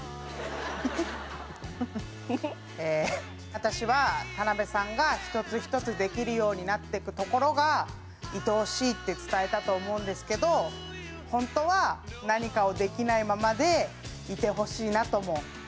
私は田辺さんが１つ１つできるようになっていくところがいとおしいって伝えたと思うんですけど本当は何かをできないままでいてほしいなとも思ってます。